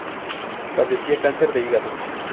Padecía cáncer de hígado.